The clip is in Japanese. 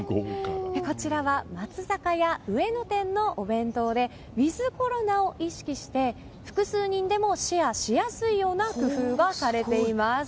こちらは松坂屋上野店のお弁当でウィズコロナを意識して複数人でもシェアしやすいような工夫がされています。